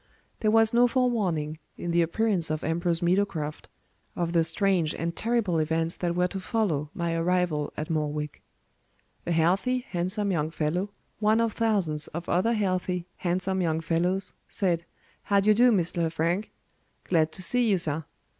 There was no forewarning, in the appearance of Ambrose Meadowcroft, of the strange and terrible events that were to follow my arrival at Morwick. A healthy, handsome young fellow, one of thousands of other healthy, handsome young fellows, said, "How d'ye do, Mr. Lefrank? Glad to see you, sir.